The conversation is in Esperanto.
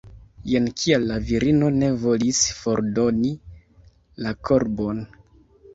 Jen kial la virino ne volis fordoni la korbon!